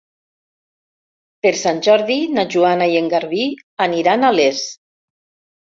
Per Sant Jordi na Joana i en Garbí aniran a Les.